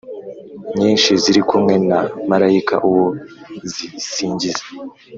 Nyinshi ziri kumwe na marayika uwo zisingiza